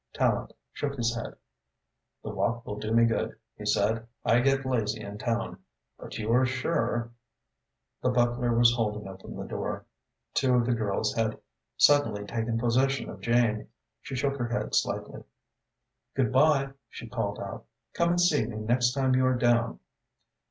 Tallente shook his head. "The walk will do me good," he said. "I get lazy in town. But you are sure " The butler was holding open the door. Two of the girls had suddenly taken possession of Jane. She shook her head slightly. "Good by," she called out. "Come and see me next time you are down."